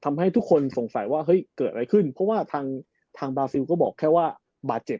ทำให้ทุกคนสงสัยว่าเฮ้ยเกิดอะไรขึ้นเพราะว่าทางทางบราซิลก็บอกแค่ว่าบาดเจ็บ